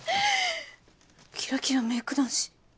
キラキラメイク男子。